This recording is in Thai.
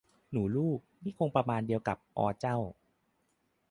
'หนูลูก' นี่คงประมาณเดียวกับ 'ออเจ้า'